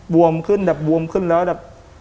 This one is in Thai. วมขึ้นแบบบวมขึ้นแล้วแบบ